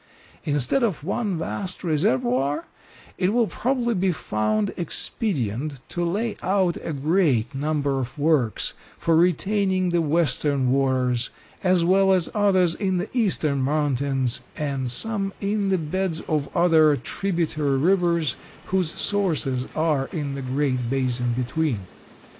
Instead of one vast reservoir it will probably be found expedient to lay out a great number of works for retaining the western waters, as well as others in the eastern mountains and some in the beds of other tributary rivers whose sources are in the great basin between.